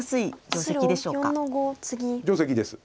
定石です。